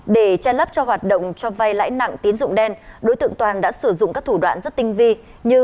để che lắp cho hoạt động cho vai lãi nặng tín dụng đen đối tượng toàn đã sử dụng các thủ đoạn rất tinh vi như